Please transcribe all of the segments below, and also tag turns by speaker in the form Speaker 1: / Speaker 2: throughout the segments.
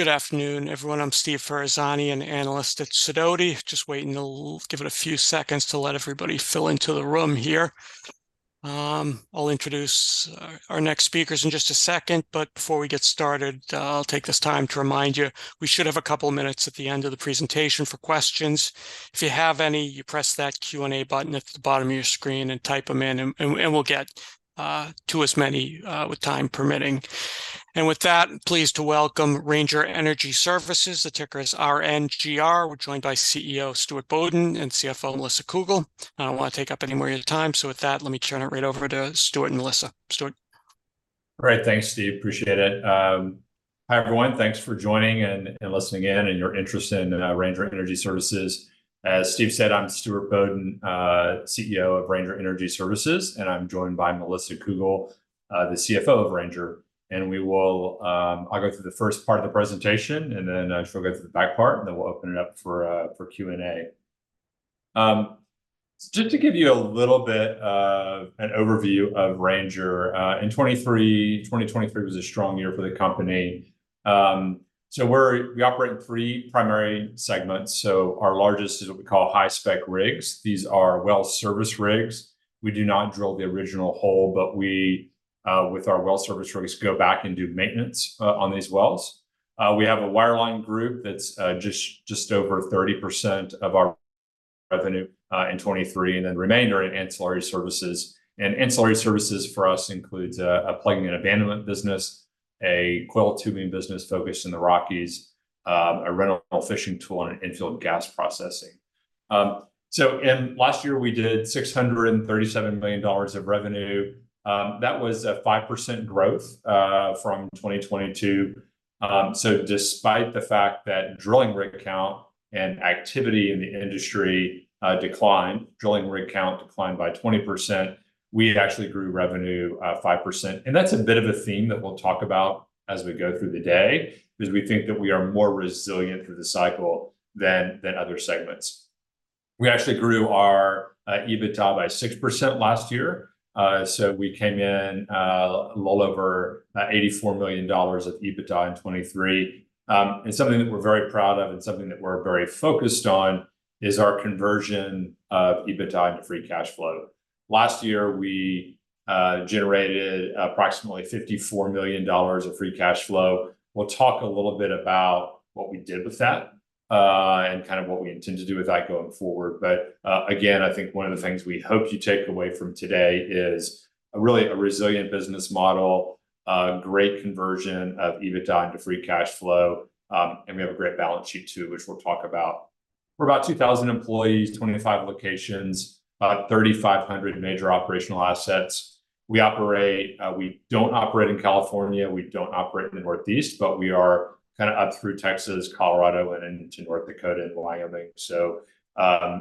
Speaker 1: Good afternoon, everyone. I'm Steve Ferazani, an analyst at Sidoti. Just waiting to give it a few seconds to let everybody fill into the room here. I'll introduce our next speakers in just a second, but before we get started, I'll take this time to remind you we should have a couple minutes at the end of the presentation for questions. If you have any, you press that Q&A button at the bottom of your screen and type them in, and we'll get to as many with time permitting. And with that, pleased to welcome Ranger Energy Services, the ticker is RNGR. We're joined by CEO Stuart Bodden and CFO Melissa Cougle. I don't want to take up any more of your time, so with that, let me turn it right over to Stuart and Melissa. Stuart?
Speaker 2: All right. Thanks, Steve. Appreciate it. Hi everyone. Thanks for joining and listening in and your interest in Ranger Energy Services. As Steve said, I'm Stuart Bodden, CEO of Ranger Energy Services, and I'm joined by Melissa Cougle, the CFO of Ranger. And I'll go through the first part of the presentation, and then she'll go through the back part, and then we'll open it up for Q&A. Just to give you a little bit of an overview of Ranger, 2023 was a strong year for the company. So we operate in three primary segments. So our largest is what we call high-spec rigs. These are well service rigs. We do not drill the original hole, but we, with our well service rigs, go back and do maintenance on these wells. We have a wireline group that's just over 30% of our revenue in 2023, and then the remainder in ancillary services. And ancillary services for us includes a plugging and abandonment business, a coil tubing business focused in the Rockies, a rental fishing tool, and an in-field gas processing. So last year we did $637 million of revenue. That was a 5% growth from 2022. So despite the fact that drilling rig count and activity in the industry declined, drilling rig count declined by 20%, we actually grew revenue 5%. And that's a bit of a theme that we'll talk about as we go through the day, because we think that we are more resilient through the cycle than other segments. We actually grew our EBITDA by 6% last year. So we came in a little over $84 million of EBITDA in 2023. Something that we're very proud of and something that we're very focused on is our conversion of EBITDA into free cash flow. Last year we generated approximately $54 million of free cash flow. We'll talk a little bit about what we did with that and kind of what we intend to do with that going forward. Again, I think one of the things we hope you take away from today is really a resilient business model, great conversion of EBITDA into free cash flow, and we have a great balance sheet too, which we'll talk about. We're about 2,000 employees, 25 locations, about 3,500 major operational assets. We don't operate in California. We don't operate in the Northeast, but we are kind of up through Texas, Colorado, and into North Dakota and Wyoming. So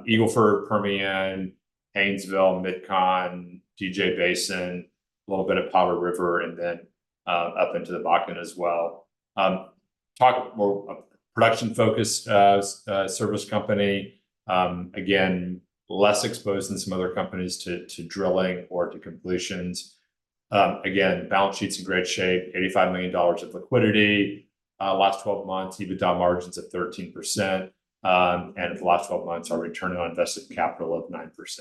Speaker 2: Eagle Ford, Permian, Haynesville, Mid-Con, DJ Basin, a little bit of Powder River, and then up into the Bakken as well. We're more of a production-focused service company. Again, less exposed than some other companies to drilling or to completions. Again, balance sheets in great shape, $85 million of liquidity. Last 12 months, EBITDA margins of 13%, and for the last 12 months, our return on invested capital of 9%.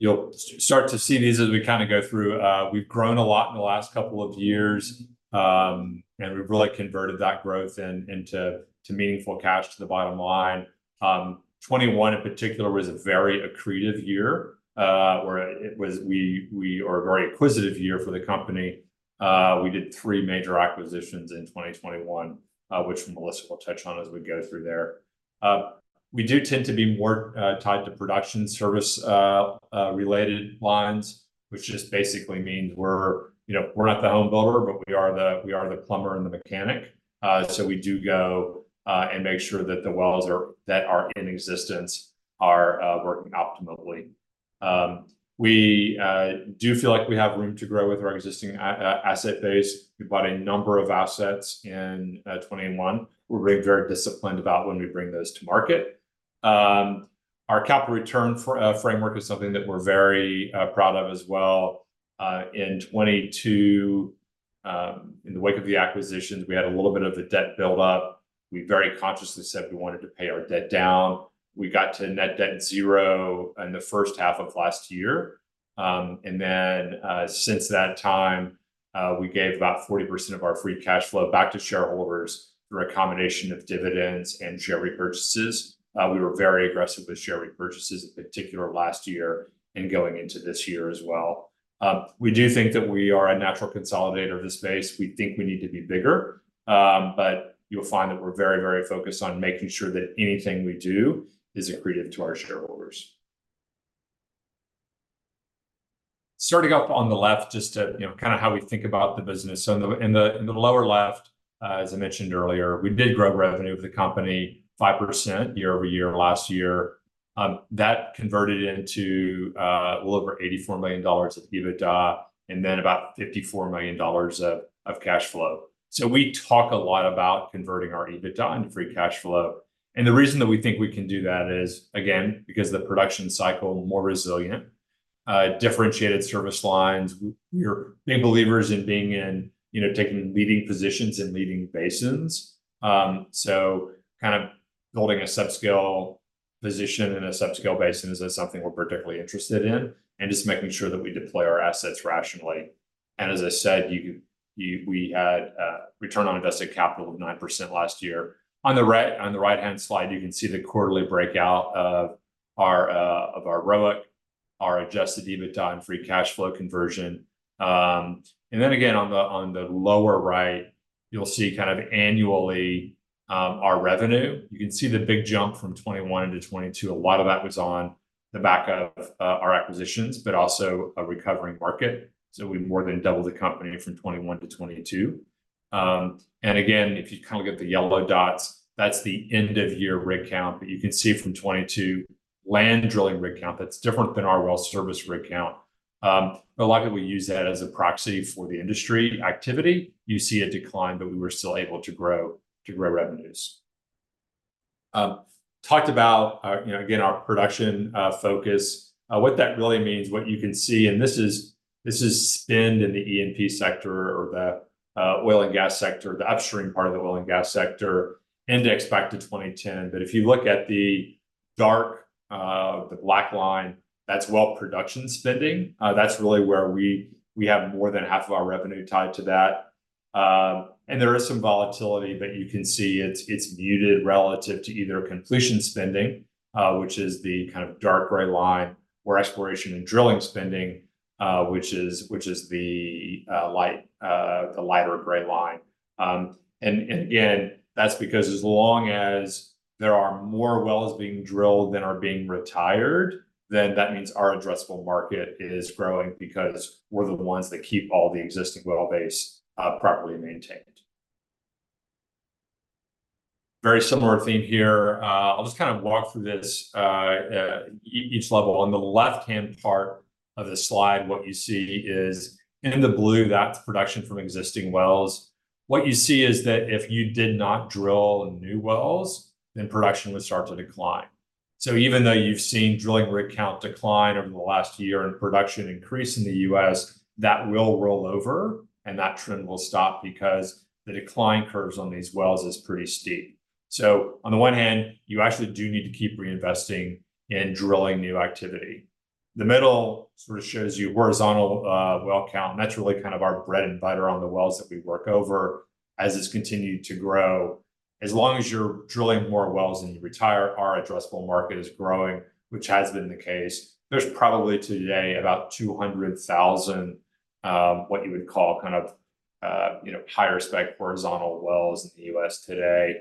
Speaker 2: You'll start to see these as we kind of go through. We've grown a lot in the last couple of years, and we've really converted that growth into meaningful cash to the bottom line. 2021 in particular was a very accretive year, or a very acquisitive year for the company. We did three major acquisitions in 2021, which Melissa will touch on as we go through there. We do tend to be more tied to production service-related lines, which just basically means we're not the homebuilder, but we are the plumber and the mechanic. So we do go and make sure that the wells that are in existence are working optimally. We do feel like we have room to grow with our existing asset base. We bought a number of assets in 2021. We're being very disciplined about when we bring those to market. Our capital return framework is something that we're very proud of as well. In 2022, in the wake of the acquisitions, we had a little bit of a debt buildup. We very consciously said we wanted to pay our debt down. We got to net debt zero in the first half of last year. And then since that time, we gave about 40% of our free cash flow back to shareholders through a combination of dividends and share repurchases. We were very aggressive with share repurchases in particular last year and going into this year as well. We do think that we are a natural consolidator of this base. We think we need to be bigger, but you'll find that we're very, very focused on making sure that anything we do is accretive to our shareholders. Starting off on the left just to kind of how we think about the business. In the lower left, as I mentioned earlier, we did grow revenue of the company 5% year-over-year last year. That converted into a little over $84 million of EBITDA and then about $54 million of cash flow. We talk a lot about converting our EBITDA into free cash flow. And the reason that we think we can do that is, again, because of the production cycle, more resilient, differentiated service lines. We're big believers in being in taking leading positions in leading basins. So kind of building a subscale position in a subscale basin is something we're particularly interested in, and just making sure that we deploy our assets rationally. And as I said, we had return on invested capital of 9% last year. On the right-hand slide, you can see the quarterly breakout of our ROIC, our adjusted EBITDA and free cash flow conversion. And then again, on the lower right, you'll see kind of annually our revenue. You can see the big jump from 2021 into 2022. A lot of that was on the back of our acquisitions, but also a recovering market. So we more than doubled the company from 2021 to 2022. And again, if you kind of look at the yellow dots, that's the end-of-year rig count. But you can see from 2022, land drilling rig count that's different than our well service rig count. But a lot of it we use that as a proxy for the industry activity. You see a decline, but we were still able to grow revenues. Talked about, again, our production focus. What that really means, what you can see, and this is spending in the E&P sector or the oil and gas sector, the upstream part of the oil and gas sector, indexed back to 2010. But if you look at the dark, the black line, that's well production spending. That's really where we have more than half of our revenue tied to that. There is some volatility, but you can see it's muted relative to either completion spending, which is the kind of dark gray line, or exploration and drilling spending, which is the lighter gray line. Again, that's because as long as there are more wells being drilled than are being retired, then that means our addressable market is growing because we're the ones that keep all the existing well base properly maintained. Very similar theme here. I'll just kind of walk through this each level. On the left-hand part of the slide, what you see is in the blue, that's production from existing wells. What you see is that if you did not drill new wells, then production would start to decline. So even though you've seen drilling rig count decline over the last year and production increase in the U.S., that will roll over, and that trend will stop because the decline curves on these wells is pretty steep. So on the one hand, you actually do need to keep reinvesting in drilling new activity. The middle sort of shows you horizontal well count. And that's really kind of our bread and butter on the wells that we work over as it's continued to grow. As long as you're drilling more wells and you retire, our addressable market is growing, which has been the case. There's probably today about 200,000 what you would call kind of higher spec horizontal wells in the U.S. today.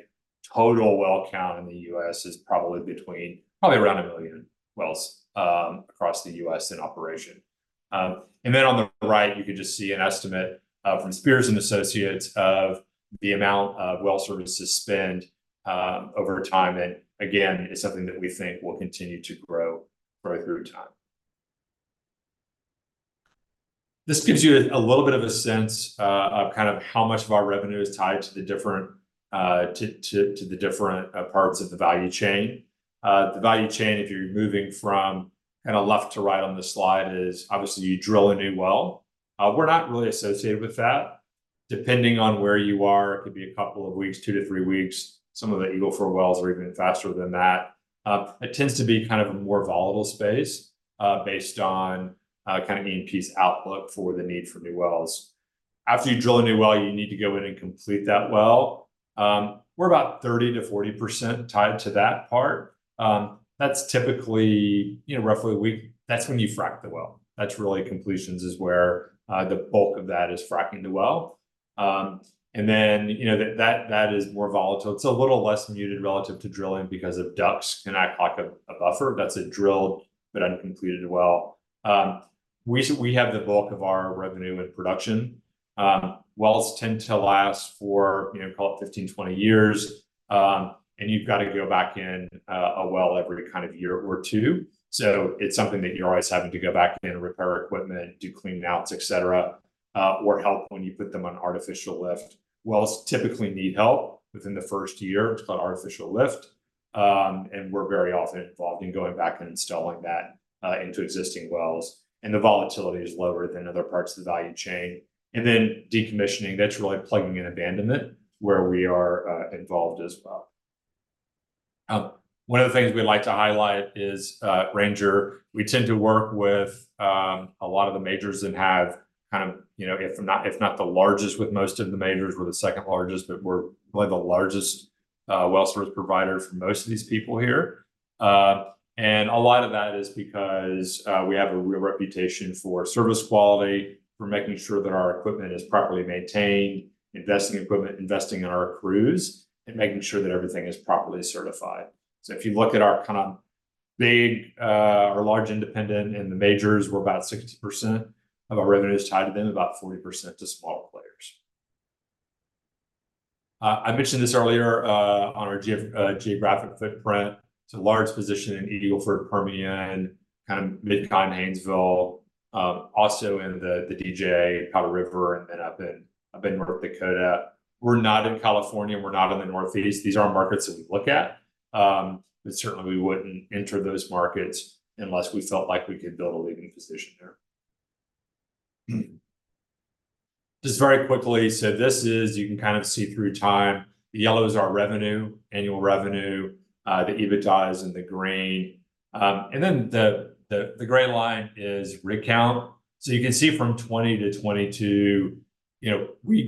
Speaker 2: Total well count in the U.S. is probably between probably around 1 million wells across the U.S. in operation. And then on the right, you can just see an estimate from Spears & Associates of the amount of well services spend over time. And again, it's something that we think will continue to grow through time. This gives you a little bit of a sense of kind of how much of our revenue is tied to the different to the different parts of the value chain. The value chain, if you're moving from kind of left to right on the slide, is obviously you drill a new well. We're not really associated with that. Depending on where you are, it could be a couple of weeks, two to three weeks. Some of the Eagle Ford wells are even faster than that. It tends to be kind of a more volatile space based on kind of E&P's outlook for the need for new wells. After you drill a new well, you need to go in and complete that well. We're about 30%-40% tied to that part. That's typically roughly a week. That's when you frack the well. That's really completions is where the bulk of that is fracking the well. And then that is more volatile. It's a little less muted relative to drilling because of DUCs can act like a buffer. That's a drilled but uncompleted well. We have the bulk of our revenue in production. Wells tend to last for, call it, 15 to 20 years, and you've got to go back in a well every kind of year or two. So it's something that you're always having to go back in and repair equipment, do clean outs, etc., or help when you put them on artificial lift. Wells typically need help within the first year. It's called artificial lift. We're very often involved in going back and installing that into existing wells. The volatility is lower than other parts of the value chain. Decommissioning, that's really plugging and abandonment where we are involved as well. One of the things we'd like to highlight is Ranger, we tend to work with a lot of the majors and have kind of if not the largest with most of the majors, we're the second largest, but we're probably the largest well service provider for most of these people here. A lot of that is because we have a real reputation for service quality, for making sure that our equipment is properly maintained, investing equipment, investing in our crews, and making sure that everything is properly certified. So if you look at our kind of big or large independent in the majors, we're about 60% of our revenue is tied to them, about 40% to smaller players. I mentioned this earlier on our geographic footprint. It's a large position in Eagle Ford, Permian, kind of Mid-Con, Haynesville, also in the DJ, Powder River, and then up in North Dakota. We're not in California. We're not in the Northeast. These are markets that we look at. But certainly, we wouldn't enter those markets unless we felt like we could build a leading position there. Just very quickly, so this is you can kind of see through time. The yellow is our revenue, annual revenue, the EBITDA, and the green. And then the gray line is rig count. So you can see from 2020 to 2022, we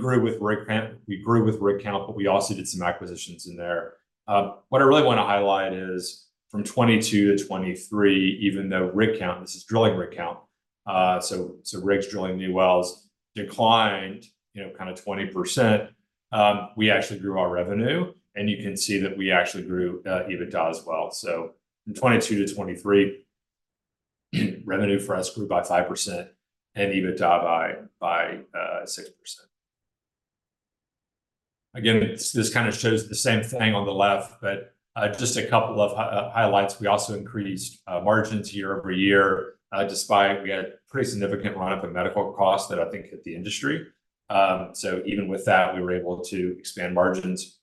Speaker 2: grew with rig count, but we also did some acquisitions in there. What I really want to highlight is from 2022 to 2023, even though rig count, this is drilling rig count, so rigs drilling new wells, declined kind of 20%, we actually grew our revenue. And you can see that we actually grew EBITDA as well. So from 2022 to 2023, revenue for us grew by 5% and EBITDA by 6%. Again, this kind of shows the same thing on the left, but just a couple of highlights. We also increased margins year-over-year despite we had a pretty significant run-up in medical costs that I think hit the industry. So even with that, we were able to expand margins.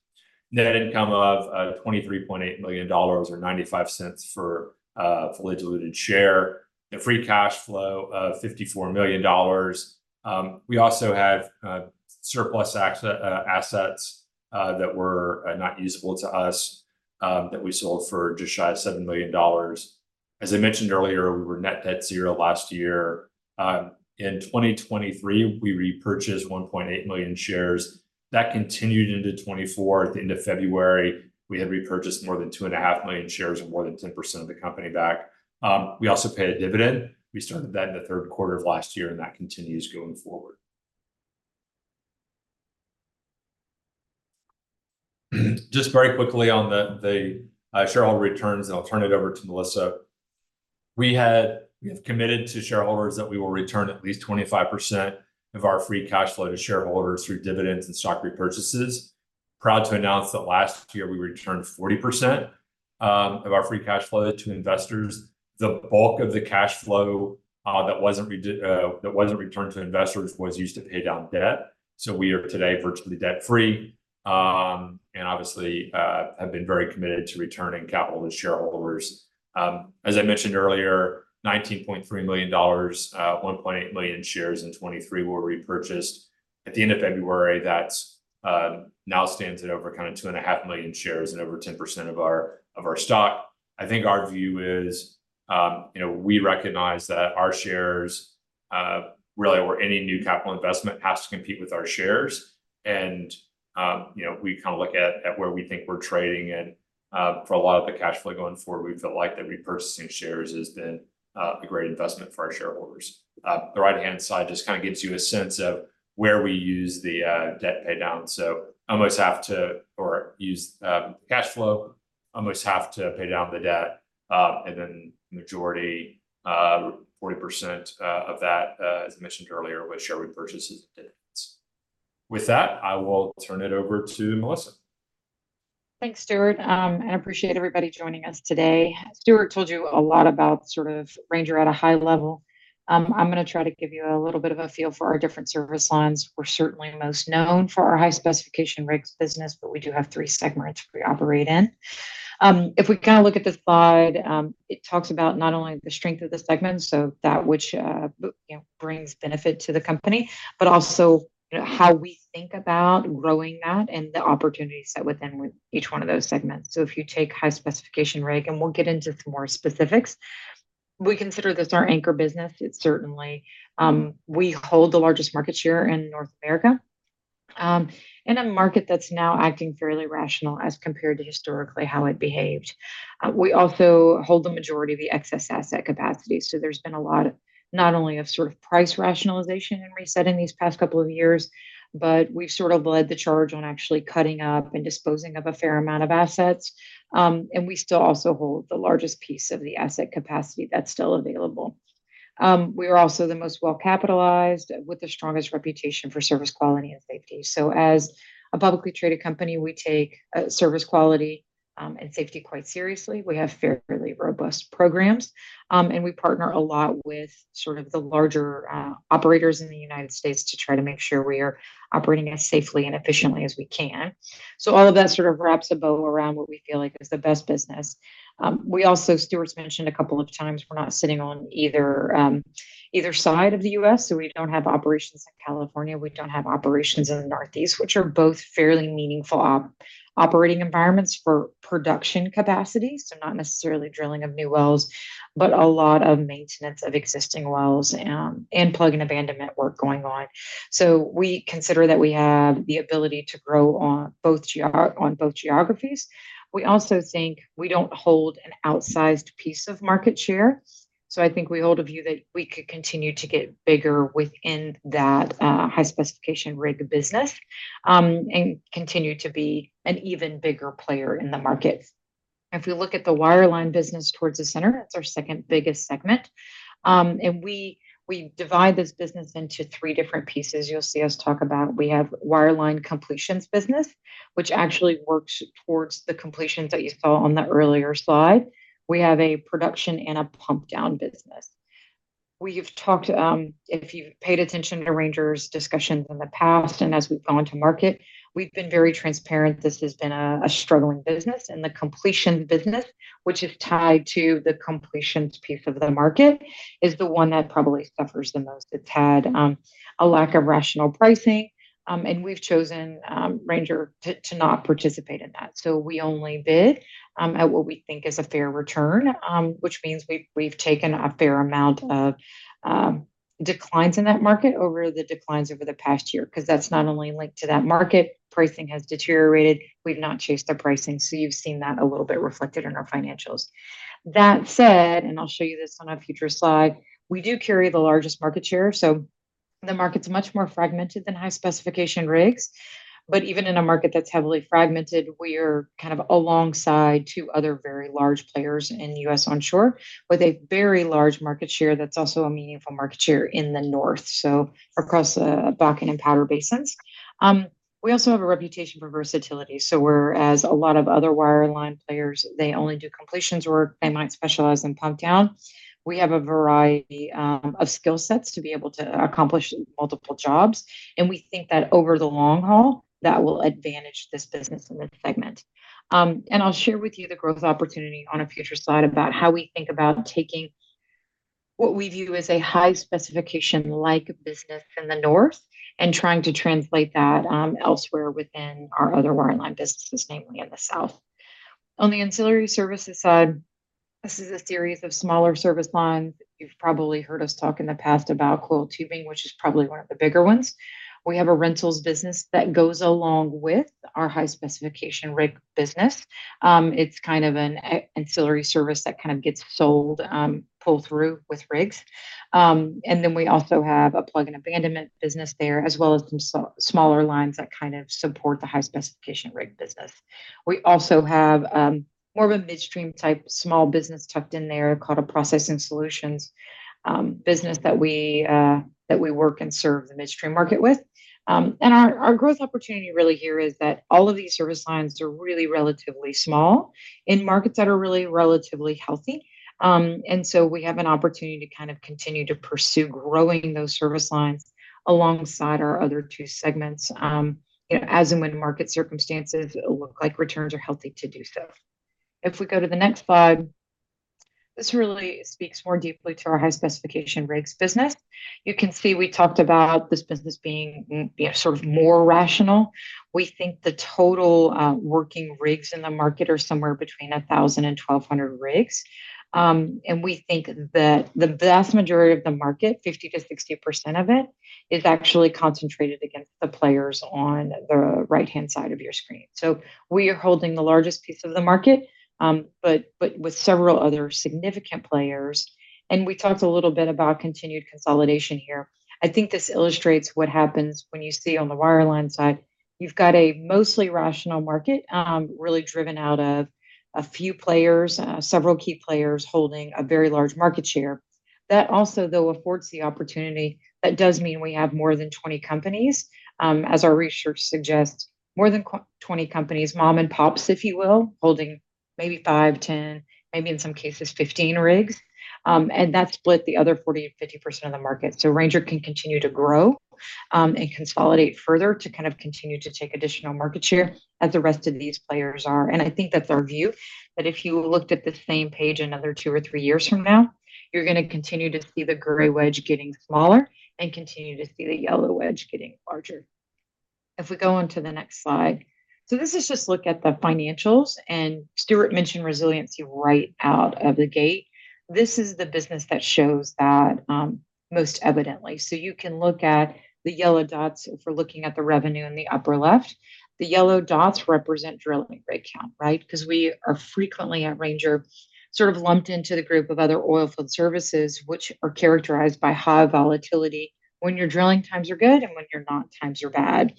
Speaker 2: Net income of $23.8 million or $0.95 for fully diluted share. The free cash flow of $54 million. We also had surplus assets that were not usable to us that we sold for just shy of $7 million. As I mentioned earlier, we were net debt zero last year. In 2023, we repurchased 1.8 million shares. That continued into 2024. At the end of February, we had repurchased more than 2.5 million shares and more than 10% of the company back. We also paid a dividend. We started that in the Q3 of last year, and that continues going forward. Just very quickly on the shareholder returns, and I'll turn it over to Melissa. We have committed to shareholders that we will return at least 25% of our free cash flow to shareholders through dividends and stock repurchases. Proud to announce that last year, we returned 40% of our free cash flow to investors. The bulk of the cash flow that wasn't returned to investors was used to pay down debt. So we are today virtually debt-free and obviously have been very committed to returning capital to shareholders. As I mentioned earlier, $19.3 million, 1.8 million shares in 2023 were repurchased. At the end of February, that now stands at over kind of 2.5 million shares and over 10% of our stock. I think our view is we recognize that our shares really or any new capital investment has to compete with our shares. And we kind of look at where we think we're trading. And for a lot of the cash flow going forward, we feel like that repurchasing shares has been a great investment for our shareholders. The right-hand side just kind of gives you a sense of where we use the debt paydown. So I almost have to or use the cash flow. I almost have to pay down the debt. And then the majority, 40% of that, as I mentioned earlier, was share repurchases and dividends. With that, I will turn it over to Melissa.
Speaker 3: Thanks, Stuart. I appreciate everybody joining us today. Stuart told you a lot about sort of Ranger at a high level. I'm going to try to give you a little bit of a feel for our different service lines. We're certainly most known for our high-specification rigs business, but we do have three segments we operate in. If we kind of look at the slide, it talks about not only the strength of the segments, so that which brings benefit to the company, but also how we think about growing that and the opportunities set within each one of those segments. So if you take high-specification rig, and we'll get into some more specifics, we consider this our anchor business. It's certainly we hold the largest market share in North America in a market that's now acting fairly rational as compared to historically how it behaved. We also hold the majority of the excess asset capacity. So there's been a lot not only of sort of price rationalization and resetting these past couple of years, but we've sort of led the charge on actually cutting up and disposing of a fair amount of assets. And we still also hold the largest piece of the asset capacity that's still available. We are also the most well capitalized with the strongest reputation for service quality and safety. So as a publicly traded company, we take service quality and safety quite seriously. We have fairly robust programs. And we partner a lot with sort of the larger operators in the United States to try to make sure we are operating as safely and efficiently as we can. So all of that sort of wraps a bow around what we feel like is the best business. We also, Stuart's mentioned a couple of times, we're not sitting on either side of the U.S. So we don't have operations in California. We don't have operations in the Northeast, which are both fairly meaningful operating environments for production capacity. So not necessarily drilling of new wells, but a lot of maintenance of existing wells and plug-and-abandonment work going on. So we consider that we have the ability to grow on both geographies. We also think we don't hold an outsized piece of market share. I think we hold a view that we could continue to get bigger within that high-specification rig business and continue to be an even bigger player in the market. If we look at the wireline business towards the center, that's our second biggest segment. We divide this business into three different pieces. You'll see us talk about we have wireline completions business, which actually works towards the completions that you saw on the earlier slide. We have a production and a pump-down business. We have talked if you've paid attention to Ranger's discussions in the past, and as we've gone to market, we've been very transparent. This has been a struggling business. The completions business, which is tied to the completions piece of the market, is the one that probably suffers the most. It's had a lack of rational pricing. We've chosen Ranger to not participate in that. So we only bid at what we think is a fair return, which means we've taken a fair amount of declines in that market over the declines over the past year because that's not only linked to that market. Pricing has deteriorated. We've not chased the pricing. So you've seen that a little bit reflected in our financials. That said, and I'll show you this on a future slide, we do carry the largest market share. So the market's much more fragmented than high-specification rigs. But even in a market that's heavily fragmented, we are kind of alongside two other very large players in U.S. onshore with a very large market share that's also a meaningful market share in the north, so across the Bakken and Powder River basins. We also have a reputation for versatility. So whereas a lot of other wireline players, they only do completions work, they might specialize in pump-down. We have a variety of skill sets to be able to accomplish multiple jobs. And we think that over the long haul, that will advantage this business in this segment. And I'll share with you the growth opportunity on a future slide about how we think about taking what we view as a high-specification-like business in the north and trying to translate that elsewhere within our other wireline businesses, namely in the south. On the ancillary services side, this is a series of smaller service lines. You've probably heard us talk in the past about coil tubing, which is probably one of the bigger ones. We have a rentals business that goes along with our high-specification rig business. It's kind of an ancillary service that kind of gets sold pull-through with rigs. And then we also have a plug-and-abandonment business there as well as some smaller lines that kind of support the high-specification rig business. We also have more of a midstream type small business tucked in there called a processing solutions business that we work and serve the midstream market with. And our growth opportunity really here is that all of these service lines are really relatively small in markets that are really relatively healthy. And so we have an opportunity to kind of continue to pursue growing those service lines alongside our other two segments as and when market circumstances look like returns are healthy to do so. If we go to the next slide, this really speaks more deeply to our high-specification rigs business. You can see we talked about this business being sort of more rational. We think the total working rigs in the market are somewhere between 1,000 and 1,200 rigs. We think that the vast majority of the market, 50% to 60% of it, is actually concentrated against the players on the right-hand side of your screen. We are holding the largest piece of the market, but with several other significant players. We talked a little bit about continued consolidation here. I think this illustrates what happens when you see on the wireline side, you've got a mostly rational market really driven out of a few players, several key players holding a very large market share. That also, though, affords the opportunity. That does mean we have more than 20 companies, as our research suggests, more than 20 companies, mom-and-pops, if you will, holding maybe five, 10, maybe in some cases, 15 rigs. That split the other 40% to 50% of the market. Ranger can continue to grow and consolidate further to kind of continue to take additional market share as the rest of these players are. I think that's our view that if you looked at the same page another two or three years from now, you're going to continue to see the gray wedge getting smaller and continue to see the yellow wedge getting larger. If we go on to the next slide, this is just look at the financials. Stuart mentioned resiliency right out of the gate. This is the business that shows that most evidently. You can look at the yellow dots. If we're looking at the revenue in the upper left, the yellow dots represent drilling rig count, right? Because we are frequently at Ranger sort of lumped into the group of other oilfield services, which are characterized by high volatility when your drilling times are good and when your not times are bad.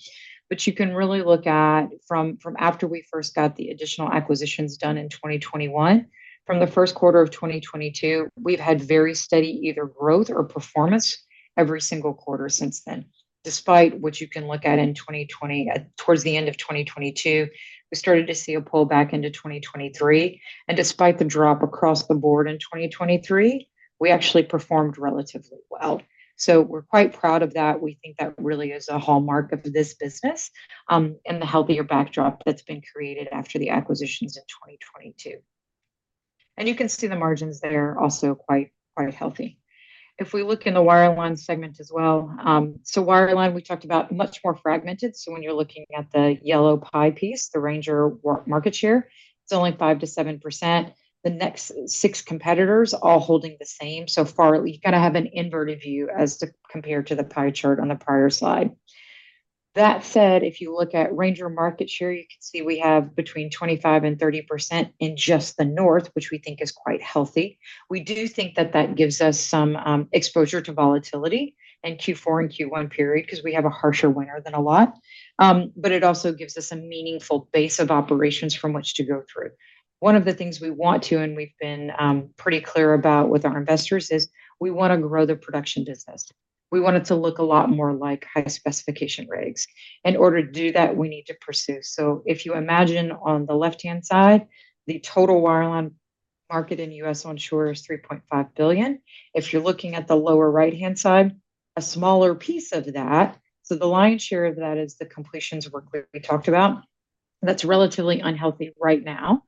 Speaker 3: But you can really look at from after we first got the additional acquisitions done in 2021, from the Q1 of 2022, we've had very steady either growth or performance every single quarter since then. Despite what you can look at in 2020, towards the end of 2022, we started to see a pullback into 2023. And despite the drop across the board in 2023, we actually performed relatively well. So we're quite proud of that. We think that really is a hallmark of this business and the healthier backdrop that's been created after the acquisitions in 2022. And you can see the margins there are also quite healthy. If we look in the wireline segment as well, so wireline, we talked about much more fragmented. So when you're looking at the yellow pie piece, the Ranger market share, it's only 5% to 7%. The next six competitors all holding the same. So far, you kind of have an inverted view as to compare to the pie chart on the prior slide. That said, if you look at Ranger market share, you can see we have between 25% and 30% in just the north, which we think is quite healthy. We do think that that gives us some exposure to volatility in Q4 and Q1 period because we have a harsher winter than a lot. But it also gives us a meaningful base of operations from which to go through. One of the things we want to, and we've been pretty clear about with our investors, is we want to grow the production business. We want it to look a lot more like high-specification rigs. In order to do that, we need to pursue. So if you imagine on the left-hand side, the total wireline market in U.S. onshore is $3.5 billion. If you're looking at the lower right-hand side, a smaller piece of that, so the lion's share of that is the completions work that we talked about. That's relatively unhealthy right now.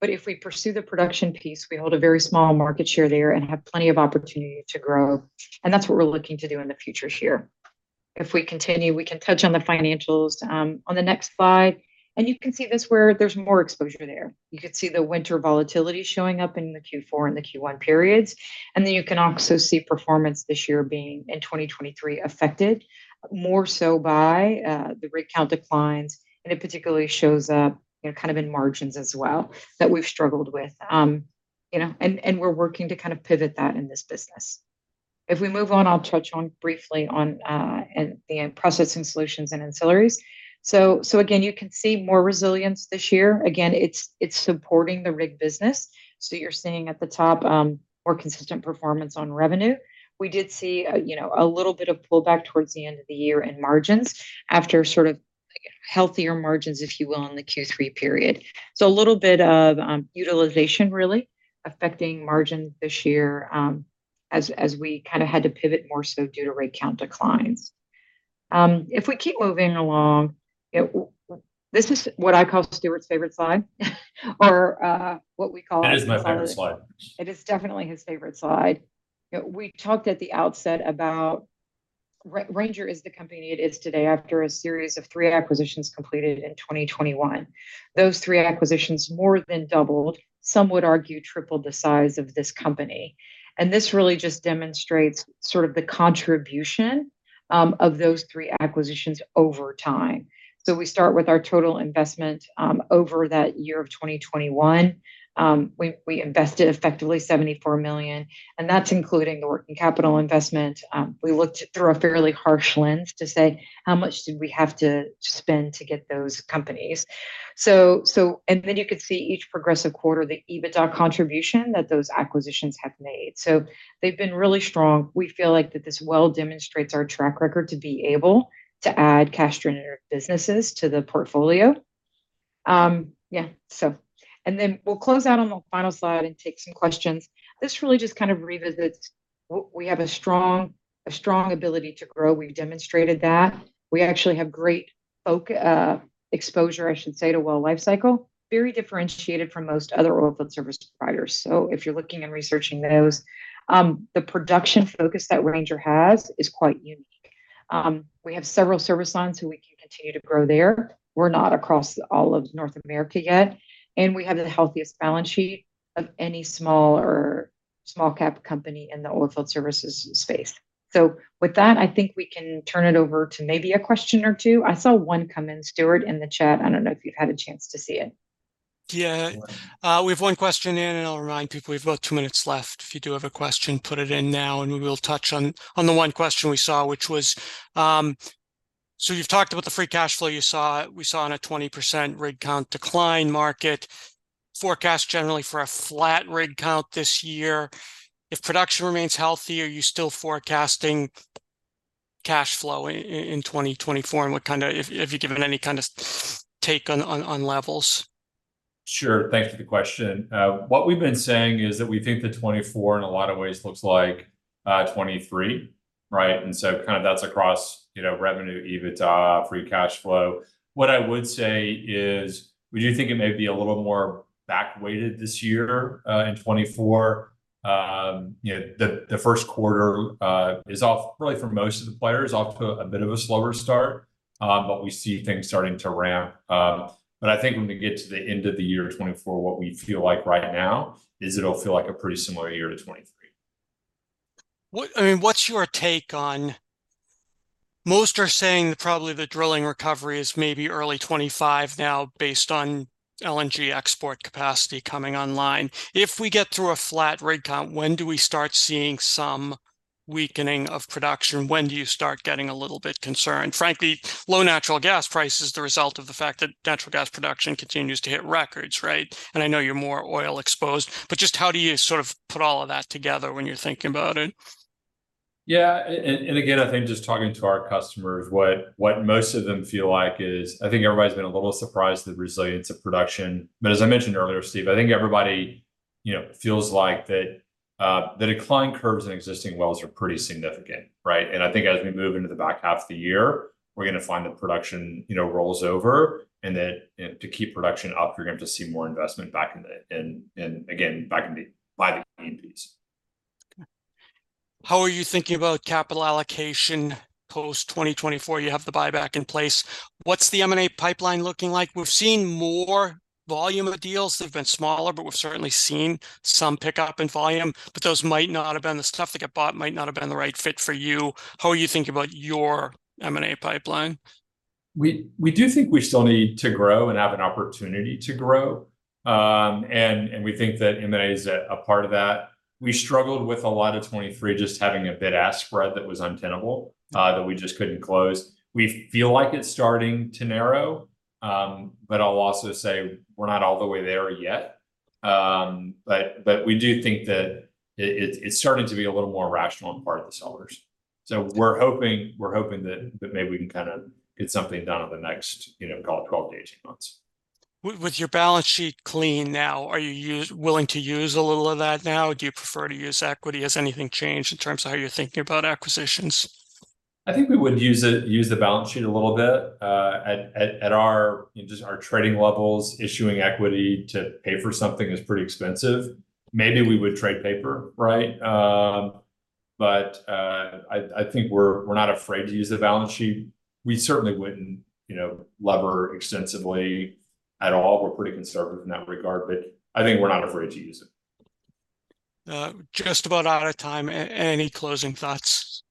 Speaker 3: But if we pursue the production piece, we hold a very small market share there and have plenty of opportunity to grow. And that's what we're looking to do in the future here. If we continue, we can touch on the financials on the next slide. And you can see this where there's more exposure there. You could see the winter volatility showing up in the Q4 and the Q1 periods. Then you can also see performance this year being in 2023 affected more so by the rig count declines. It particularly shows up kind of in margins as well that we've struggled with. We're working to kind of pivot that in this business. If we move on, I'll touch on briefly on the processing solutions and ancillaries. So again, you can see more resilience this year. Again, it's supporting the rig business. So you're seeing at the top more consistent performance on revenue. We did see a little bit of pullback towards the end of the year in margins after sort of healthier margins, if you will, in the Q3 period. So a little bit of utilization really affecting margins this year as we kind of had to pivot more so due to rig count declines. If we keep moving along, this is what I call Stuart's favorite slide or what we call.
Speaker 2: That is my favorite slide.
Speaker 3: It is definitely his favorite slide. We talked at the outset about Ranger is the company it is today after a series of three acquisitions completed in 2021. Those three acquisitions more than doubled, some would argue tripled the size of this company. And this really just demonstrates sort of the contribution of those three acquisitions over time. So we start with our total investment over that year of 2021. We invested effectively $74 million. And that's including the working capital investment. We looked through a fairly harsh lens to say, how much did we have to spend to get those companies? And then you could see each progressive quarter, the EBITDA contribution that those acquisitions have made. So they've been really strong. We feel like that this well demonstrates our track record to be able to add cash-generative businesses to the portfolio. Yeah. And then we'll close out on the final slide and take some questions. This really just kind of revisits. We have a strong ability to grow. We've demonstrated that. We actually have great exposure, I should say, to oil lifecycle, very differentiated from most other oilfield service providers. So if you're looking and researching those, the production focus that Ranger has is quite unique. We have several service lines so we can continue to grow there. We're not across all of North America yet. And we have the healthiest balance sheet of any small- or small-cap company in the oilfield services space. So with that, I think we can turn it over to maybe a question or two. I saw one come in, Stuart, in the chat. I don't know if you've had a chance to see it.
Speaker 1: Yeah. We have one question in, and I'll remind people we've got two minutes left. If you do have a question, put it in now, and we will touch on the one question we saw, which was so you've talked about the free cash flow you saw. We saw a 20% rig count decline market forecast generally for a flat rig count this year. If production remains healthy, are you still forecasting cash flow in 2024? And what kind of have you given any kind of take on levels?
Speaker 2: Sure. Thanks for the question. What we've been saying is that we think that 2024 in a lot of ways looks like 2023, right? And so kind of that's across revenue, EBITDA, free cash flow. What I would say is we do think it may be a little more back weighted this year in 2024. The Q1 is off really for most of the players, off to a bit of a slower start. But we see things starting to ramp. But I think when we get to the end of the year 2024, what we feel like right now is it'll feel like a pretty similar year to 2023.
Speaker 1: I mean, what's your take on most are saying probably the drilling recovery is maybe early 2025 now based on LNG export capacity coming online? If we get through a flat rig count, when do we start seeing some weakening of production? When do you start getting a little bit concerned? Frankly, low natural gas price is the result of the fact that natural gas production continues to hit records, right? And I know you're more oil exposed. But just how do you sort of put all of that together when you're thinking about it?
Speaker 2: Again, I think just talking to our customers, what most of them feel like is I think everybody's been a little surprised at the resilience of production. But as I mentioned earlier, Steve, I think everybody feels like that the decline curves in existing wells are pretty significant, right? And I think as we move into the back half of the year, we're going to find that production rolls over. And that to keep production up, you're going to have to see more investment back in the and again, back in the E&Ps.
Speaker 1: Okay. How are you thinking about capital allocation post-2024? You have the buyback in place. What's the M&A pipeline looking like? We've seen more volume of deals. They've been smaller, but we've certainly seen some pickup in volume. But those might not have been the stuff that got bought, might not have been the right fit for you. How are you thinking about your M&A pipeline?
Speaker 2: We do think we still need to grow and have an opportunity to grow. We think that M&A is a part of that. We struggled with a lot of 2023 just having a bid-ask spread that was untenable that we just couldn't close. We feel like it's starting to narrow. I'll also say we're not all the way there yet. We do think that it's starting to be a little more rational in part of the sellers. We're hoping that maybe we can kind of get something done in the next, call it, 12-18 months.
Speaker 1: With your balance sheet clean now, are you willing to use a little of that now? Do you prefer to use equity? Has anything changed in terms of how you're thinking about acquisitions?
Speaker 2: I think we would use the balance sheet a little bit. At just our trading levels, issuing equity to pay for something is pretty expensive. Maybe we would trade paper, right? But I think we're not afraid to use the balance sheet. We certainly wouldn't lever extensively at all. We're pretty conservative in that regard. But I think we're not afraid to use it.
Speaker 1: Just about out of time. Any closing thoughts?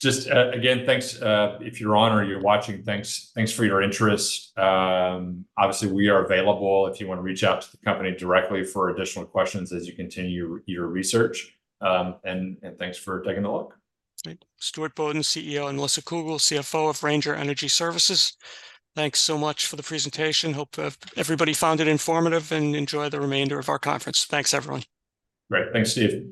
Speaker 2: Just again, thanks. If you're on or you're watching, thanks for your interest. Obviously, we are available if you want to reach out to the company directly for additional questions as you continue your research. Thanks for taking a look.
Speaker 1: Great. Stuart Bodden, CEO, and Melissa Cougle, CFO of Ranger Energy Services. Thanks so much for the presentation. Hope everybody found it informative and enjoy the remainder of our conference. Thanks, everyone.
Speaker 2: Great. Thanks, Steve.